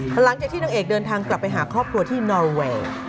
หลังจากที่นางเอกเดินทางกลับไปหาครอบครัวที่นอเวย์